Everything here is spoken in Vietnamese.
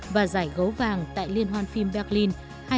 và giải gấu vàng tại liên hoan phim berlin hai nghìn hai mươi